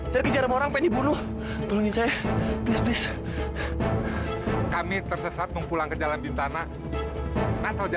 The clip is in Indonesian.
sampai jumpa di video selanjutnya